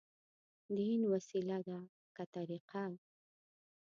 دين وسيله ده، که طريقه؟